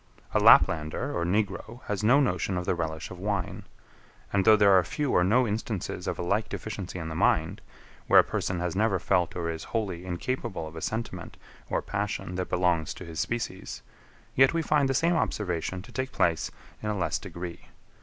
A Laplander or Negro has no notion of the relish of wine. And though there are few or no instances of a like deficiency in the mind, where a person has never felt or is wholly incapable of a sentiment or passion that belongs to his species; yet we find the same observation to take place in a less degree.